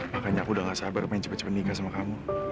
makanya aku udah gak sabar main cepat cepat nikah sama kamu